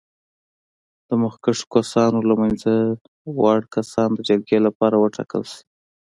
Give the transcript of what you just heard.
د مخکښو کسانو له منځه وړ کسان د جرګې لپاره وټاکل شي.